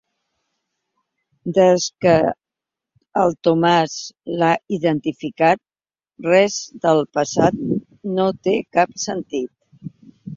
Des que el Tomàs l'ha identificat res del passat no té cap sentit.